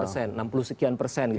enam puluh sekian persen